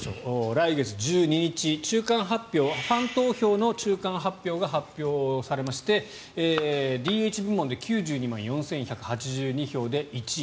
来月１２日ファン投票の中間投票が発表されまして、ＤＨ部門で９２万４１８２票で１位。